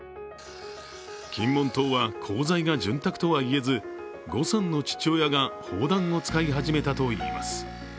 金門島は鋼材が潤沢とはいえず、呉さんの父親が砲弾を使い始めたといいます。